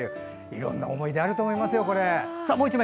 いろんな思い出あると思います。